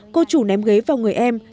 em sẽ đưa cô ấy vào người em